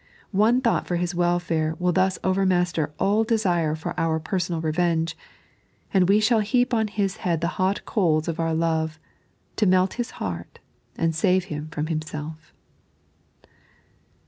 One thought for his welfare will thus overmaster all desire for our personal revenge, and we shall heap on his head the hot coals of oar love, to melt his heart and save him from himself.